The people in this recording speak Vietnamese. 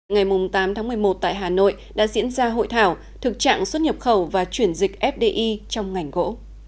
ngày tám tháng một mươi một tại hà nội đã diễn ra hội thảo thực trạng xuất nhập khẩu và chuyển dịch fdi trong ngành gỗ